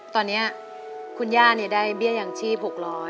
ตอนนี้คุณย่าได้เบี้ยอย่างชีพ๖๐๐